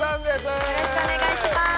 よろしくお願いします！